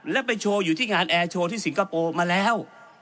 และไปโชว์อยู่ที่งานแอร์โชว์ที่สิงคโปร์มาแล้ว